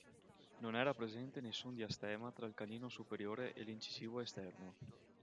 Non era presente nessun diastema tra il canino superiore e l'incisivo esterno.